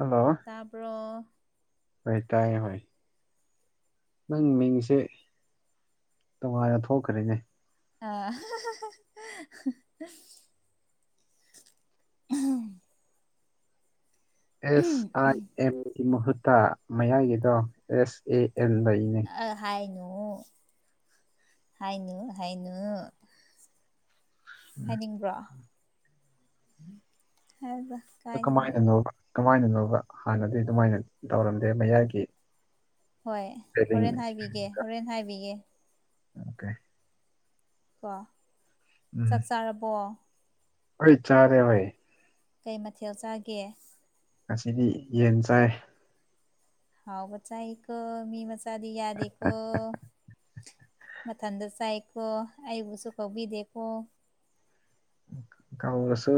Hello ꯇꯥꯕ꯭ꯔꯣ ꯍꯣꯏ ꯇꯥꯏꯌꯦ ꯍꯣꯏ ꯅꯪ ꯃꯤꯡꯁꯦ ꯇꯣꯉꯥꯟꯅ ꯊꯣꯛꯈ꯭ꯔꯦꯅꯦ ꯑꯥ [inaudible] ꯑꯦꯁ ꯑꯥꯏ ꯑꯦꯝꯒꯤ ꯃꯍꯨꯠꯇ ꯃꯌꯥꯏꯒꯤꯗꯣ ꯑꯦꯁ ꯑꯦ ꯑꯦꯝ ꯂꯩꯅꯦ ꯑ ꯍꯥꯏꯅꯨ ꯍꯥꯏꯅꯨ ꯍꯥꯏꯅꯨ ꯍꯥꯏꯅꯤꯡꯕ꯭ꯔꯣ ꯍꯥꯏꯕ ꯑ ꯀ ꯀꯥꯏꯗꯦꯗ ꯃꯥꯏꯅꯅ ꯀꯃꯥꯏꯅꯅꯣꯧꯕ ꯍꯥꯟꯅꯗꯤ ꯑꯗꯨꯃꯥꯏꯅ ꯇꯧꯔꯝꯗꯦ ꯃꯌꯥꯏꯒꯤ ꯍꯣꯏ ꯏꯁꯄꯦꯂꯤꯡ ꯍꯣꯔꯦꯟ ꯍꯥꯏꯕꯤꯒꯦ ꯏꯁꯄꯦꯂꯤꯡꯒ ꯍꯣꯔꯦꯟ ꯍꯥꯏꯕꯤꯒꯦ ꯑꯣꯀꯦ ꯀꯣ ꯆꯥꯛ ꯆꯥꯔꯕꯣ ꯑꯩꯏ ꯆꯔꯦ ꯥꯏ ꯀꯩ ꯃꯊꯦꯜ ꯆꯥꯒꯦ ꯉꯁꯤꯗꯤ ꯌꯦꯟ ꯆꯥꯏ ꯍꯥꯎ ꯃꯆꯥ ꯑꯩꯀ ꯃꯤ ꯃꯆꯥ ꯑꯗꯤ ꯌꯥꯗ ꯏꯀ ꯃꯊꯟꯇ ꯆꯥꯏꯀꯣ ꯑꯩꯕꯨꯁꯨ ꯀꯧꯕꯤꯗꯦꯀꯣ ꯀꯧꯔꯁꯨ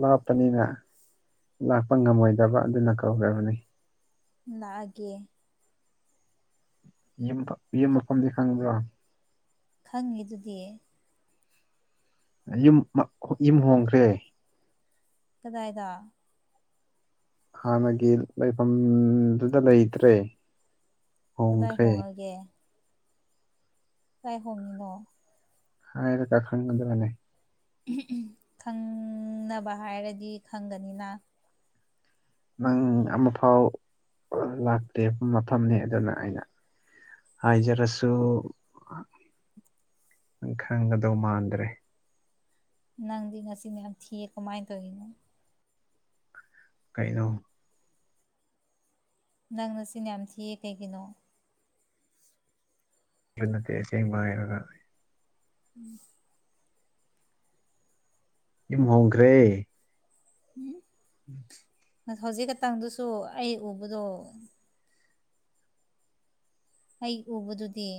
ꯂꯥꯞꯄꯅꯤꯅ ꯂꯥꯛꯄ ꯉꯝꯃꯣꯏꯗꯕ ꯑꯗꯨꯅ ꯀꯧꯈ꯭ꯔꯕꯅꯤ ꯂꯥꯛꯑꯒꯦ ꯌꯨꯝ ꯌꯨꯝ ꯃꯐꯝꯗꯤ ꯈꯪꯕ꯭ꯔꯣ ꯈꯪꯉꯤꯗꯨꯗꯤ ꯌꯨꯝ ꯌꯨꯝ ꯍꯣꯡꯈ꯭ꯔꯦ ꯀꯗꯥꯏꯗ ꯍꯥꯟꯅꯒꯤ ꯂꯩꯐꯝꯗꯨꯗ ꯂꯩꯇ꯭ꯔꯦ ꯀꯗꯥꯏ ꯍꯣꯡꯈ꯭ꯔꯦ ꯍꯣꯡꯉꯒꯦ ꯀꯥꯏ ꯍꯣꯅꯤꯅꯣ ꯍꯥꯏꯕꯗ ꯈꯪꯒꯗꯔꯅꯦ ꯈꯪꯅꯕ ꯍꯥꯏꯔꯗꯤ ꯈꯪꯒꯅꯤꯅ꯫ ꯅꯪ ꯑꯃꯐꯥꯎ ꯂꯥꯛꯇꯦ ꯃꯇꯝꯅ‌ꯦꯗꯅ ꯑꯩꯅ꯫ ꯍꯥꯏꯖꯔꯁꯨ ꯈꯪꯒꯗꯧ ꯃꯥꯟꯗ꯭ꯔꯦ꯫ ꯅꯪꯗꯤ ꯉꯁꯤ ꯃꯌꯥꯝ ꯊꯤꯌꯦ ꯀꯃꯥꯏꯅ ꯇꯧꯔꯤꯅꯣ꯫ ꯀꯩꯅꯣ꯫ ꯅꯪ ꯅꯆꯤꯟ ꯌꯥꯝ ꯊꯤꯌꯦ ꯀꯩꯒꯤꯅꯣ꯫ ꯑꯗꯨ ꯅꯠꯇꯦ ꯑꯁꯦꯡꯕ ꯍꯥꯏꯔꯒ꯫ ꯫ [unintelligible] ꯌꯨꯝ ꯍꯣꯡꯈ꯭ꯔꯦ꯫ ꯃꯤꯝ [unintelligible] ꯎꯝ ꯍꯧꯖꯤꯛ ꯈꯇꯪꯗꯨꯁꯨ ꯑꯩ ꯎꯕꯗꯣ ꯑꯩ ꯎꯕꯗꯨꯗꯤ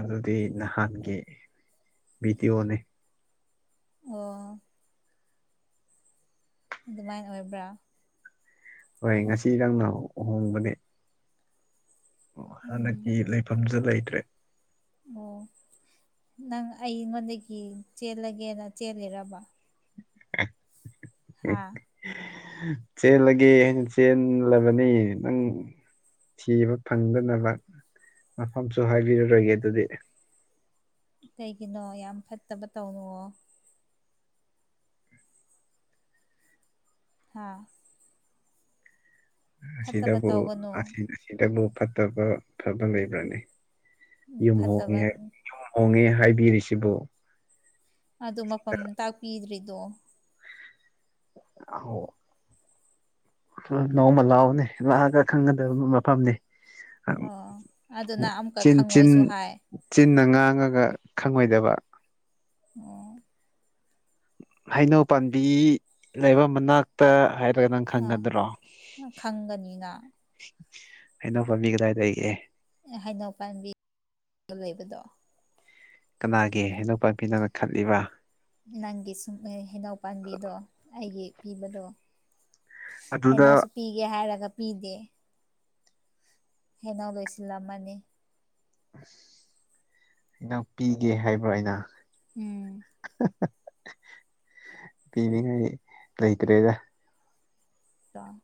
ꯑꯗꯨꯗꯤ ꯅꯍꯥꯟꯒꯤ ꯚꯤꯗꯤꯑꯣꯅꯤ ꯑꯣ ꯑꯗꯨꯃꯥꯏꯅ ꯑꯣꯏꯕ꯭ꯔꯥ ꯍꯣꯏ ꯉꯁꯤ ꯅꯪꯅ ꯑꯍꯣꯡꯕꯅꯦ ꯍꯟꯗꯛꯀꯤ ꯂꯩꯐꯝꯁꯨ ꯂꯩꯇ꯭ꯔꯦ ꯑꯣ ꯅꯪ ꯑꯩꯉꯣꯟꯗꯒꯤ ꯆꯦꯜꯂꯒꯦꯅ ꯆꯦꯂꯤꯔꯕ ꯍꯥꯥ ꯆꯦꯜꯂꯒꯦ ꯍꯥꯅ ꯆꯦꯜꯂꯕꯅꯤ ꯅꯪ꯫ ꯊꯤꯕ ꯐꯪꯗꯅꯕ ꯃꯐꯝꯁꯨ ꯍꯥꯏꯕꯤꯔꯔꯣꯏꯒꯦ ꯑꯗꯨꯗꯤ꯫ ꯀꯩꯒꯤꯅꯣ ꯌꯥꯝ ꯐꯠꯇꯕ ꯇꯧꯅꯨꯑꯣ꯫ ꯍꯥꯥ꯫ ꯐꯠꯇꯕ ꯁꯤꯗꯕꯨꯁ ꯇꯧꯒꯅꯨ ꯑꯁꯤ ꯑꯁꯤ꯫ ꯁꯤꯗꯕꯨ ꯐꯠꯇꯕ ꯐꯕ ꯂꯩꯕ꯭ꯔꯅꯦ ꯌꯨꯝ ꯍꯣꯡꯉꯦ ꯐꯠꯇꯕ ꯍꯥꯏꯕꯅꯤ꯫ ꯌꯨꯝ ꯍꯣꯡꯉꯦ ꯍꯥꯏꯕꯤꯔꯤꯁꯤꯕꯨ꯫ ꯑꯗꯨ ꯃꯐꯝ ꯇꯥꯛꯄꯤꯗ꯭ꯔꯤꯗꯣ꯫ ꯫ [unintelligible] ꯅꯣꯡꯃ ꯂꯥꯛꯑꯣꯅꯦ ꯂꯥꯛꯑꯒ ꯈꯪꯒꯗꯕ ꯃꯐꯝꯅ‌ꯦ꯫ ꯑꯣ ꯑꯗꯨꯅ ꯑꯃꯨꯛꯀ ꯆꯤꯟ ꯆꯤꯟ ꯈꯪꯉꯣꯏꯁꯨ ꯍꯥꯏ꯫ ꯆꯤꯟꯅ ꯉꯥꯡꯉꯒ ꯈꯪꯉꯣꯏꯗꯕ꯫ ꯑꯣ꯫ ꯍꯩꯅꯧ ꯄꯥꯟꯕꯤ ꯂꯩꯕ ꯃꯅꯥꯛ꯫ ꯇ ꯍꯥꯏꯔꯒ ꯅꯪ ꯑꯥ ꯈꯪꯒꯗ꯭ꯔꯣ꯫ ꯈꯪꯒꯅꯤꯅ ꯍꯩꯅꯧ ꯄꯝꯕꯤ ꯀꯗꯥꯏꯂꯩꯒ‌ꯦ꯫ ꯑꯦ ꯍꯩꯅꯧ ꯄꯥꯝꯕꯤ ꯂꯩꯕꯗꯣ꯫ ꯀꯅꯥꯒꯤ ꯍꯩꯅꯧ ꯄꯥꯝꯕꯤꯅꯣ ꯈꯜꯂꯤꯕ꯫ ꯅꯪꯒꯤ ꯁꯨꯝ ꯍꯩꯅꯧ ꯄꯥꯝꯕꯤꯗꯣ ꯑꯩꯒꯤ ꯄꯤꯕꯗꯣ꯫ ꯑꯗꯨꯗ ꯍꯩꯅꯧꯁꯨ ꯄꯤꯒꯦ ꯍꯥꯏꯔꯒ ꯄꯤꯗꯦ꯫ ꯍꯦꯟꯅꯧ ꯂꯣꯏꯁꯤꯜꯂꯝꯃꯅꯤ꯫ ꯅꯪ ꯄꯤꯒꯦ ꯍꯥꯏꯕ꯭ꯔꫭ ꯑꯩꯅ꯫ ꯎꯝ꯫ ꯄꯤꯅꯤꯡꯉꯥꯏ ꯂꯩꯇ꯭ꯔꯦꯗ꯫ ꯑꯗꯣ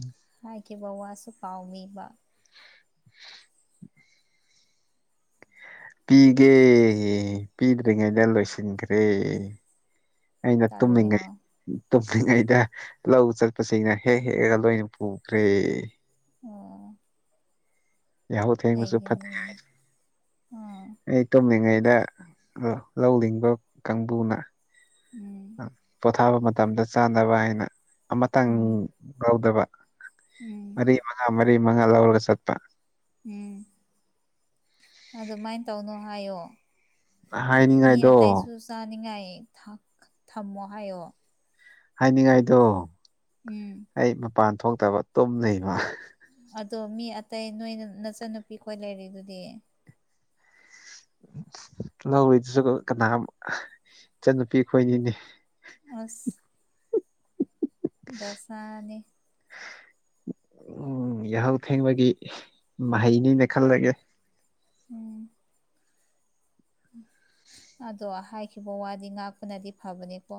꯫ ꯍꯥꯏꯈꯤꯕ ꯋꯥꯁꯨ ꯀꯥꯎꯅꯤꯕ꯫ ꯄꯤꯒꯦ ꯄꯤꯗ꯭ꯔꯤꯉꯩꯗ ꯂꯣꯏꯁꯤꯟꯈ꯭ꯔꯦ꯫ ꯑꯩꯅ ꯇꯨꯝꯃꯤꯉꯩ ꯇꯜꯂꯦꯉꯣ ꯇꯨꯝꯂꯤꯉꯩꯗ ꯂꯧ ꯆꯠꯄꯁꯤꯡꯅ ꯍꯦꯛ ꯍꯦꯛꯑꯒ ꯂꯣꯏꯅ ꯄꯨꯈ꯭ꯔꯦ ꯑꯣꯝ ꯀꯩꯒꯤꯅꯣꯅꯦ [unintelligible] ꯑꯥ ꯑꯩ ꯇꯣꯝꯂꯤꯉꯩꯗ ꯂꯧ ꯂꯤꯡꯕ ꯀꯥꯡꯕꯨꯅ ꯎꯝ ꯄꯣꯊꯥꯕ ꯃꯇꯝꯗ ꯆꯥꯅꯕ ꯍꯥꯏꯅ ꯑꯃꯇꯪ ꯎꯝ ꯉꯎꯗꯕ ꯎꯝ ꯃꯉꯥ ꯃꯔꯤ ꯃꯉꯥ ꯂꯧꯔꯒ ꯆꯠꯄ ꯎꯝ ꯑꯗꯨꯃꯥꯏꯅ ꯇꯧꯅꯣ ꯍꯥꯏꯌꯣ ꯃꯤ ꯍꯥꯏꯅꯤꯡꯉꯥꯏꯗꯣ ꯑꯇꯩꯁꯨ ꯆꯥꯅꯤꯡꯉꯥꯏ ꯊꯝꯃꯣ ꯍꯥꯏꯌꯣ ꯍꯥꯏꯅꯤꯡꯉꯥꯏꯗꯣ꯫ ꯎꯝ꯫ ꯑꯩ ꯃꯄꯥꯟ ꯊꯣꯛꯇꯕ ꯇꯨꯝ ꯂꯩꯕ꯫ ꯑꯗꯣ ꯃꯤ ꯑꯇꯩ ꯅꯣꯏ ꯅꯆꯟꯅꯨꯄꯤꯈꯣꯏ ꯂꯩꯔꯤꯗꯨꯗꯤ꯫ ꯂꯧꯔꯤꯗꯨꯁꯨ ꯀꯅꯥ ꯏꯆꯟꯅꯨꯄꯤ ꯑꯩ ꯈꯣꯏꯅꯤꯅꯦ꯫ ꯑꯁ ꯗꯁꯥꯅꯤ꯫ ꯌꯥꯍꯧ ꯊꯦꯡꯕꯒꯤ ꯃꯍꯩꯅꯤꯅ ꯈꯜꯂꯒꯦ꯫ ꯎꯝ꯫ ꯑꯗꯣ ꯍꯥꯏꯈꯤꯕ ꯋꯥꯗꯤ ꯉꯥꯛꯄꯅꯗꯤ ꯐꯕꯅꯦꯀꯣ꯫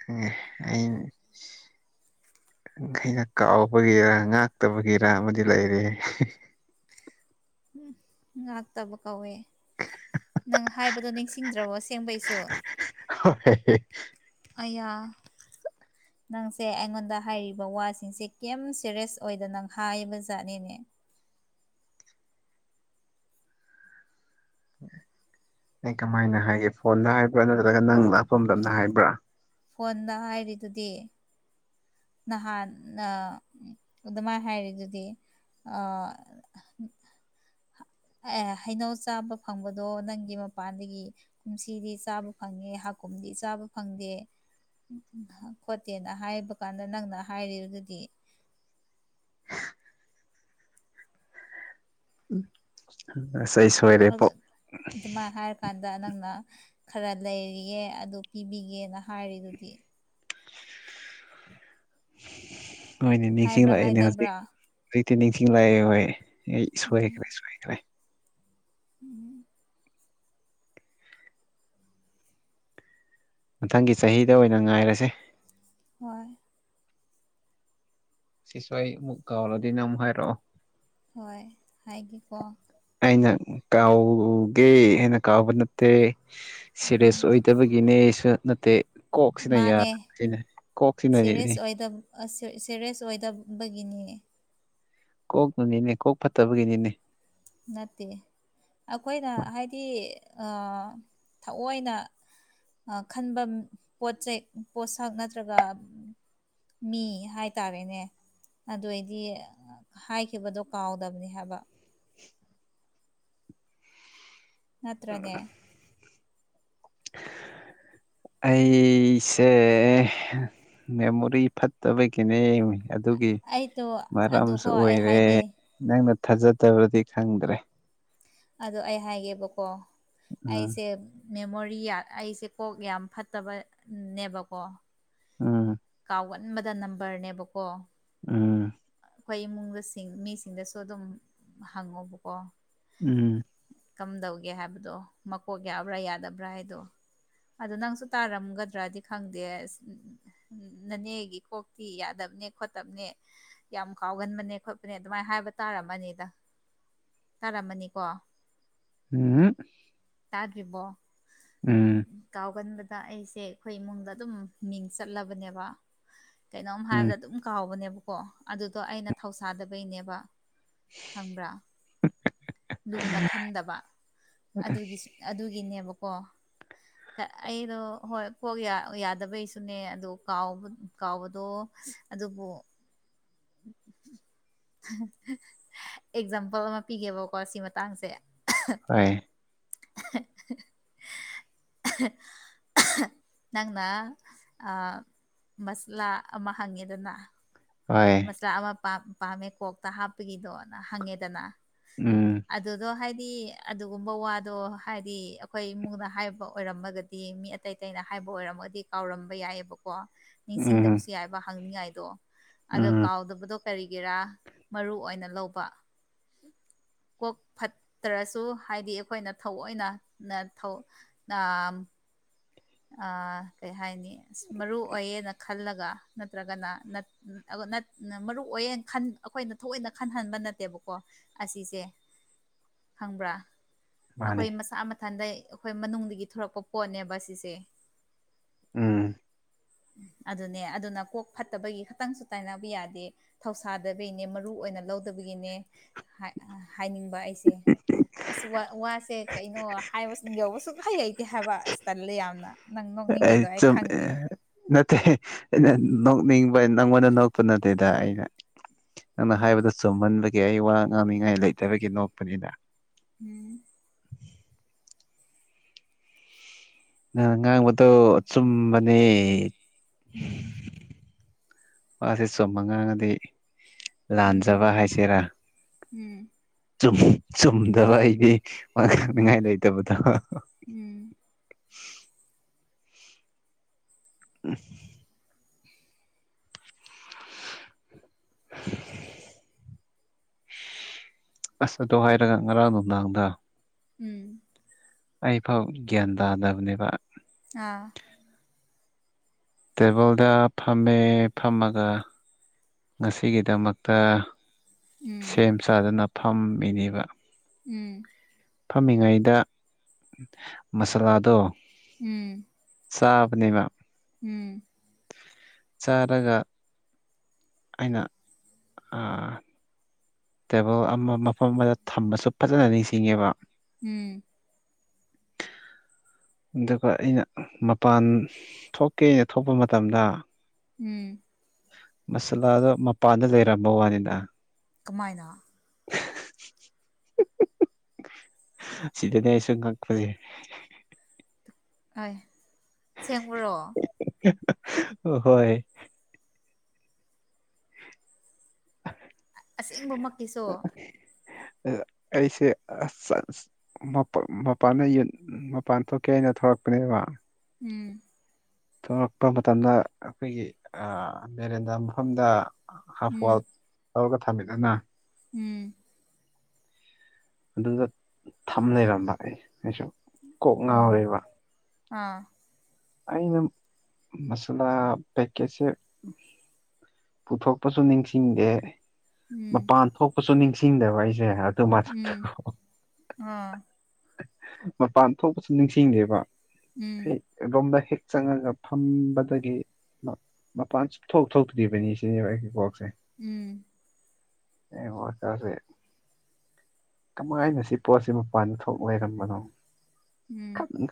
꯫ ꯑꯩꯅ ꯀꯥꯎꯕꯒꯤꯔ ꯉꯥꯛꯇꯕꯒꯤꯔ ꯑꯃꯗꯤ ꯂꯩꯔ‌ꯦ ꯍ‌ꯦ꯫ ꯉ ꯇꯕꯀꯧꯋ‌ꯦ꯫ ꯅꯪ ꯍꯥꯏꯕꯗꯣ ꯅꯤꯡꯁꯤꯡꯗ꯭ꯔꯕꯣ ꯑꯁꯦꯡꯕꯩꯁꯨ꯫ ꯍꯣꯏ ꯑꯌꯥ [unintelligible] ꯅꯪꯁꯦ ꯑꯩꯉꯣꯟꯗ ꯍꯥꯏꯔꯤꯕ ꯋꯥꯁꯤꯡꯁꯦ ꯀꯩꯝ ꯁꯦꯔꯤꯌꯁ ꯑꯣꯏꯗꯅ ꯅꯪ ꯍꯥꯏꯕ ꯖꯥꯠꯅꯦꯅꯦ ꯑꯩ ꯀꯃꯥꯏꯅ ꯍꯥꯏꯒꯦ ꯐꯣꯟꯗ ꯍꯥꯏꯕ꯭ꯔꯥ ꯅꯠꯇ꯭ꯔꯒ ꯅꯪ ꯂꯥꯛꯄ ꯃꯇꯝꯇꯗ ꯍꯥꯏꯕ꯭ꯔꯥ ꯐꯣꯟꯗ ꯍꯥꯏꯔꯤꯗꯨꯗꯤ ꯅꯍꯥꯟ ꯑꯗꯨꯃꯥꯏꯅ ꯍꯥꯏꯔꯤꯗꯨꯗꯤ ꯑꯦ ꯍꯩꯅꯧ ꯆꯥꯕ ꯐꯪꯕꯗꯣ ꯅꯪꯒꯤ ꯃꯄꯥꯟꯗꯒꯤ ꯀꯨꯝꯁꯤꯗꯤ ꯆꯥꯕ ꯐꯪꯉꯦ ꯍꯥꯀꯨꯝꯗꯤ ꯆꯥꯕ ꯐꯪꯗꯦ ꯎ ꯎ ꯈꯣꯠꯇꯦꯅ ꯍꯥꯏꯕ ꯀꯥꯟꯗ ꯅꯪꯅ ꯍꯥꯏꯔꯤꯗꯨꯗꯤ [unintelligible] [unintelligible] ꯑꯗꯨꯃꯥꯏꯅ ꯍꯥꯏꯔꯀꯥꯟꯗ ꯅꯪꯅ ꯈꯔ ꯂꯩꯔꯤꯌꯦ ꯑꯗꯨ ꯄꯤꯕꯤꯒꯦꯅ ꯍꯥꯏꯔꯤꯗꯨꯗꯤ ꯍꯣꯏꯅꯦ ꯅꯤꯡꯁꯤꯡ ꯍꯥꯏꯕ꯭ꯔꯥ ꯂꯥꯛꯑꯏꯅꯦ ꯍꯧꯖꯤꯛ ꯍꯥꯏꯗꯕ꯭ꯔꯥ ꯍꯧꯛꯇꯤ ꯅꯤꯡꯁꯤꯡꯂꯛꯑꯦ ꯍꯣꯏ ꯑꯩ ꯁꯣꯏꯈ꯭ꯔꯦ ꯁꯣꯏꯈ꯭ꯔꯦ ꯎꯝ ꯃꯊꯪꯒꯤ ꯆꯍꯤꯗ ꯑꯣꯏꯅ ꯉꯥꯏꯔꯁꯦ ꯍꯣꯏ ꯁꯤꯁꯨ ꯑꯩ ꯑꯃꯨꯛ ꯀꯥꯎꯔꯥꯗꯤ ꯅꯪ ꯑꯃꯨꯛ ꯍꯥꯏꯔꯛꯑꯣ ꯍꯣꯏ ꯍꯥꯏꯒꯦꯀꯣ ꯑꯩꯅ ꯀꯥꯎꯒꯦ ꯑꯩꯅ ꯀꯥꯎꯕ ꯅꯠꯇꯦ ꯁꯦꯔꯤꯌꯥꯁ ꯎꯝ ꯑꯣꯏꯗꯕꯒꯤ ꯒꯤꯅꯦꯁꯨ ꯅꯠꯇꯦ ꯀꯣꯛꯁꯤꯅ ꯃꯥꯅꯦ ꯁꯤꯅ ꯀꯣꯛꯁꯤꯅꯅꯦ ꯁꯦꯔꯤꯁ ꯑꯣꯏꯗꯕꯒꯤꯅꯦ ꯀꯣꯛꯅꯅꯤꯅꯦ ꯀꯣꯛ ꯐꯠꯇꯕꯒꯤꯅꯤꯅꯦ ꯅꯠꯇꯦ ꯑꯩꯈꯣꯏꯅ ꯍꯥꯏꯗꯤ ꯊꯑꯣꯏꯅ ꯈꯟꯕ ꯄꯣꯠ ꯆꯩꯩ ꯄꯣꯠꯁꯛ ꯅꯠꯇ꯭ꯔꯒ ꯃꯤ ꯍꯥꯏꯇꯥꯔꯦꯅꯦ ꯑꯗꯨ ꯑꯣꯏꯗꯤ ꯍꯥꯏꯈꯤꯕꯗꯣ ꯀꯥꯎꯗꯕꯅꯤ ꯍꯥꯏꯕ [unintelligible] ꯅꯠꯇ꯭ꯔꯅꯦ ꯑꯩꯁꯦ ꯃꯦꯃꯣꯔꯤ ꯐꯠꯇꯕ ꯒꯤꯅꯦ ꯑꯗꯨꯒꯤ ꯑꯩꯗꯣ ꯃꯔꯝꯁꯨ ꯑꯗꯨꯀꯣ ꯑꯩ ꯑꯣꯏꯔꯦ ꯍꯥꯏꯒꯦ ꯅꯪꯅ ꯊꯥꯖꯗꯕꯗꯤ ꯈꯪꯗ꯭ꯔꯦ ꯑꯗꯣ ꯑꯩ ꯍꯥꯏꯒꯦꯕꯀꯣ ꯎꯝ ꯑꯩꯁꯦ ꯃꯦꯃꯣꯔꯤ ꯑꯩꯁꯦ ꯀꯣꯛ ꯌꯥꯝ ꯐꯠꯇꯕꯅꯦꯕꯀꯣ ꯎꯝ ꯑꯒꯟꯕꯗ ꯅꯝꯕꯔꯅꯦꯕꯀꯣ ꯎꯝ ꯑꯩꯈꯣꯏ ꯏꯃꯨꯡꯗ ꯃꯤꯁꯤꯡꯗꯁꯨ ꯑꯗꯨꯝ ꯍꯪꯉꯣꯕꯀꯣ ꯎꯝ ꯀꯝꯗꯧꯒꯦ ꯍꯥꯏꯕꯗꯣ ꯃꯀꯣꯛ ꯌꯥꯎꯕ꯭ꯔꯥ ꯌꯥꯗꯕ꯭ꯔꯥ ꯍꯥꯏꯗꯣ ꯑꯗ ꯅꯪꯁꯨ ꯇꯥꯔꯝꯒꯗ꯭ꯔꯗꯤ ꯈꯪꯗꯦ ꯑꯁ ꯎ ꯅꯥꯅꯦꯒꯤ ꯀꯣꯛꯇꯤ ꯌꯥꯗꯕꯅꯦ ꯈꯣꯠꯇꯕꯅꯦ ꯌꯥꯝ ꯀꯥꯎꯒꯟꯕꯅꯦ ꯈꯣꯠꯄꯅꯦ ꯑꯗꯨꯃꯥꯏꯅ ꯍꯥꯏꯕ ꯇꯥꯔꯝꯃꯅꯤꯗ ꯇꯥꯔꯝꯃꯅꯤꯀꯣ ꯎꯝ ꯇꯥꯗꯔꯤꯕꯣ ꯎꯝ ꯀꯥꯎꯒꯟꯕꯗ ꯑꯩꯁꯦ ꯑꯩꯈꯣꯏ ꯏꯃꯨꯡꯗ ꯑꯗꯨꯝ ꯃꯤꯡ ꯆꯠꯂꯕꯅꯦꯕ ꯀꯩꯅꯣꯝ ꯎꯝ ꯍꯥꯏꯕꯗ ꯑꯗꯨꯝ ꯀꯥꯎꯕꯅꯦꯕꯀꯣ ꯑꯗꯨꯗꯣ ꯑꯩꯅ ꯊꯧꯁꯥꯗꯕꯩꯅꯦꯕ ꯈꯪꯕ꯭ꯔꯥ ꯂꯨꯅ ꯈꯟꯗꯕ ꯑꯗꯨꯒꯤ ꯑꯗꯨꯒꯤꯅꯦꯕꯀꯣ ꯑꯩꯗꯣ ꯍꯣꯏ ꯀꯣꯛ ꯌꯥꯗꯕꯩꯁꯨꯅꯦ ꯑꯗꯨ ꯀꯥꯎꯕ ꯀꯥꯎꯕꯗꯣ ꯑꯗꯨꯕꯨ ꯑꯦꯛꯖꯥꯝꯄꯜ ꯑꯃ ꯄꯤꯒꯦꯕꯀꯣ ꯁꯤ ꯃꯇꯥꯡꯁꯦ ꯍꯣꯏ [unintelligible] ꯅꯪꯅ ꯃꯁꯂꯥ ꯑꯃ ꯍꯪꯉꯦꯗꯅ ꯍꫭꯏ ꯇ꯭ꯔꯥꯛ ꯑꯃ ꯄꯥꯝꯃꯦ ꯀꯣꯛꯇ ꯍꯥꯞꯄꯒꯤꯗꯣꯅ ꯍꯪꯉꯦꯗꯅ ꯎꯝ ꯑꯗꯨꯗꯣ ꯍꯥꯏꯗꯤ ꯑꯗꯨꯒꯨꯝꯕ ꯋꯥꯗꯣ ꯍꯥꯏꯗꯤ ꯑꯩꯈꯣꯏ ꯏꯃꯨꯡꯗ ꯍꯥꯏꯕ ꯑꯣꯏꯔꯝꯃꯒꯗꯤ ꯃꯤ ꯑꯇꯩ ꯑꯇꯩꯩꯅ ꯍꯥꯏꯕ ꯑꯣꯏꯔꯝꯃꯒꯗꯤ ꯀꯥꯎꯔꯝꯕ ꯌꯥꯏꯑꯕꯀꯣ ꯎꯝ ꯅꯤꯡꯁꯤꯡꯗꯕꯁꯨ ꯌꯥꯏꯕ ꯍꯪꯅꯤꯡꯉꯥꯏꯗꯣ ꯑꯗꯣ ꯎꯝ ꯀꯥꯎꯗꯕꯗꯣ ꯀꯔꯤꯒꯤꯔꯥ ꯃꯔꯨ ꯑꯣꯏꯅ ꯂꯧꯕ ꯀꯣꯛ ꯐꯠꯇ꯭ꯔꯁꯨ ꯍꯥꯏꯗꯤ ꯑꯩꯈꯣꯏꯅ ꯊꯑꯣꯏꯅ ꯇꯥꯝ ꯀꯩ ꯍꯥꯏꯅꯤ ꯑ ꯃꯔꯨ ꯑꯣꯏꯌꯦꯅ ꯈꯜꯂꯒ ꯅꯠꯇ꯭ꯔꯒꯅ ꯎ ꯑ ꯃꯔꯨꯑꯣꯌꯦ ꯑꯩꯈꯣꯏꯅ ꯊꯑꯣꯏꯅ ꯈꯟꯍꯟꯕ ꯅꯠꯇꯦꯕꯀꯣ ꯑꯁꯤꯁꯦ ꯈꯪꯕ꯭ꯔꯥ ꯃꯥꯅꯤ ꯑꯩꯈꯣꯏ ꯃꯁꯥ ꯃꯊꯟꯗ ꯑꯩꯈꯣꯏ ꯃꯅꯨꯡꯗꯒꯤ ꯊꯣꯔꯛꯄ ꯄꯣꯠꯅꯦꯕ ꯁꯤꯁꯦ ꯎꯝ ꯎ ꯑꯗꯨꯅꯦ ꯑꯗꯨꯅ ꯀꯣꯛ ꯐꯠꯇꯕꯒꯤ ꯈꯇꯪꯁꯨ ꯇꯥꯏꯅꯕ ꯌꯥꯗꯦ ꯊꯧꯁꯥꯗꯕꯒꯤꯅꯦ ꯃꯔꯨ ꯑꯣꯏꯅ ꯂꯧꯗꯕꯒꯤꯅꯦ ꯍꯥꯏꯅꯤꯡꯕ ꯑꯩꯁꯦ ꯑꯁ ꯋꯥꯁꯦ ꯀꯩꯅꯣ ꯍꯥꯏꯕꯁꯤꯡ ꯌꯧꯕꯁꯨ ꯍꯩ ꯍꯩꯇꯦ ꯍꯥꯏꯕ ꯑꯁ ꯇꯜꯂꯦ ꯌꯥꯝꯅ [unintelligible] ꯑꯩ ꯆꯨꯝ ꯅꯠꯇꯦ ꯅꯪꯉꯣꯟꯗ ꯅꯔꯄ ꯅꯠꯇꯦꯗ ꯑꯩꯅ ꯅꯪꯅ ꯍꯥꯏꯕꯗ ꯆꯨꯝꯍꯟꯕ ꯑꯩ ꯋꯥ ꯉꯥꯡꯅꯤꯡꯉꯥꯏ ꯂꯩꯇꯕꯒꯤ ꯅꯣꯛꯄꯅꯤꯗ ꯎꯝ [unintelligible] ꯅꯪꯅ ꯉꯥꯡꯕꯗꯣ ꯑꯆꯨꯝꯕꯅꯦ ꯎꯝ ꯋꯥꯁꯦ ꯆꯨꯝꯃ ꯉꯥꯡꯉꯗꯤ ꯂꯥꯟꯖꯕ ꯍꯥꯏꯁꯤꯔꯥ ꯎꯝ ꯆꯨꯝ ꯆꯨꯝꯗꯕ ꯑꯩꯗꯤ ꯋꯥ ꯎꯝ ꯉꯥꯡꯅꯤꯉꯥꯏ ꯂꯩꯇꯕꯗꯣ ꯎꯝ ꯎꯝ ꯑꯁ ꯑꯗꯣ ꯍꯥꯏꯔꯒ ꯉꯔꯥꯡ ꯅꯨꯡꯗꯥꯡꯗ ꯎꯝ ꯑꯩꯐꯥꯎ ꯒ꯭ꯌꯥꯟ ꯇꯥꯗꯕꯅꯦꯕ ꯑꯥ ꯇꯦꯕꯜꯗ ꯐꯝꯃꯦ ꯐꯝꯃꯒ ꯉꯁꯤꯒꯤꯗꯃꯛꯇ ꯎꯝ ꯁꯦꯝ ꯁꯥꯗꯅ ꯐꯝꯃꯤꯅꯦꯕ ꯎꯝ ꯐꯝꯃꯤꯉꯩꯗ ꯃꯁꯥꯂꯥꯗꯣ ꯎꯝ ꯆꯥꯕꯅꯦꯕ ꯎꯝ ꯆꯥꯔꯒ ꯑꯩꯅ ꯑ ꯇꯦꯕꯜ ꯑꯃ ꯃꯐꯝ ꯑꯃꯗ ꯊꯝꯕꯁꯨ ꯐꯖꯅ ꯅꯤꯡꯁꯤꯡꯉꯦꯕ ꯎꯝ [inaudible] ꯑꯗꯨꯒ ꯑꯩꯅ ꯃꯄꯥꯟ ꯊꯣꯛꯀꯦꯅ ꯊꯣꯛꯄ ꯃꯇꯝꯗ ꯎꯝ ꯃꯁꯥꯂꯥꯗꯣ ꯃꯄꯥꯟꯗ ꯂꯩꯔꯝꯕ ꯋꯥꯅꯤꯗ ꯀꯃꯥꯏꯅ ꯁꯤꯗꯅꯦ ꯑꯩꯁꯨ ꯉꯛꯄꯁꯦ [unintelligible] ꯑꯥꯏ ꯑꯁꯦꯡꯕꯔꯣ ꯍꯣꯏ ꯑꯁꯦꯡꯕꯃꯛ ꯑꯩꯁꯦ ꯑꯁ ꯑꯁ ꯃꯄ ꯃꯄꯥꯟꯗ ꯌꯦꯟ ꯃꯄꯥꯟ ꯊꯣꯛꯀꯦ ꯍꯥꯏꯅ ꯊꯣꯔꯛꯄꯅꯦꯕ ꯎꯝ ꯊꯣꯛꯂꯛꯄ ꯃꯇꯝꯗ ꯑꯩꯈꯣꯏꯒꯤ ꯑ ꯚꯦꯔꯦꯟꯗꯥ ꯃꯐꯝꯗ ꯍꯥꯐ ꯎꯝ ꯋꯥꯜꯗ ꯇꯧꯔꯒ ꯊꯝꯃꯤꯗꯅ ꯎꯝ ꯑꯗꯨꯗ ꯊꯝ ꯂꯩꯔꯝꯕ ꯑꯩ ꯑꯩꯁꯨ ꯀꯣꯛ ꯑꯣ ꯉꯥꯎꯔꯦꯕ ꯑꯥ ꯑꯩꯩꯅ ꯃꯁꯂꯥ ꯄꯦꯛꯀꯦꯠꯁꯦ ꯄꯨꯊꯣꯛꯄꯁꯨ ꯅꯤꯡꯁꯤꯡꯗꯦ ꯎꯝ ꯃꯄꯥꯟ ꯊꯣꯛꯄꯁꯨ ꯅꯤꯡꯁꯤꯡꯗꯕ ꯑꯩꯁꯦ ꯑꯗꯨ ꯃꯊꯛꯗꯀꯣ ꯍꯥꯥ ꯃꯄꯥꯟ ꯊꯣꯛꯄꯁꯨ ꯅꯤꯡꯁꯤꯡꯗꯦꯕ ꯎꯝ ꯑꯩ ꯑꯗꯣꯝꯗ ꯍꯦꯛ ꯆꯪꯉꯒ ꯐꯝꯕꯗꯒꯤ ꯃꯄꯥꯟ ꯁꯨꯡꯊꯣꯛ ꯊꯣꯛꯇ꯭ꯔꯤꯕꯅꯤ ꯁꯤꯅꯦꯕ ꯑꯩꯒꯤ ꯀꯣꯛꯁꯦ ꯎꯝ ꯑꯩ ꯋꯥꯀꯁꯦ ꯀꯃꯥꯏꯅ ꯁꯤ ꯄꯣꯠꯁꯤ ꯃꯄꯥꯟꯗ ꯊꯝ ꯑꯣꯏꯔꯝꯕꯅꯣ ꯎꯝ ꯟ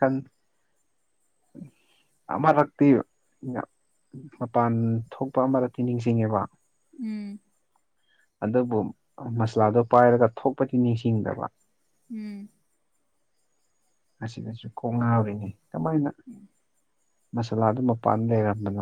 ꯑꯃꯔꯛꯇꯤ ꯃꯄꯥꯟ ꯊꯣꯛꯄ ꯑꯃꯗꯗꯤꯤ ꯅꯤꯡꯁꯤꯡꯉꯦꯕ ꯎꯝ ꯑꯗꯨꯕꯨ ꯃꯁꯥꯂꯥꯗꯣ ꯄꯥꯏꯔꯒ ꯊꯣꯛꯄꯗꯤ ꯅꯤꯡꯁꯤꯡꯗꯕ ꯎꯝ ꯑꯁꯤꯗꯁꯨ ꯀꯣꯡ ꯉꯥꯎꯔꯤꯅꯤ ꯀꯃꯥꯏꯅ ꯃꯁꯥꯂꯥꯗꯨ ꯃꯄꯥꯟ ꯂꯩꯔꯝꯕꯅꯣ